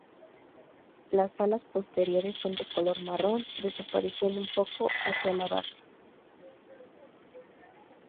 Las alas posteriores son de color marrón, desapareciendo un poco hacia la base.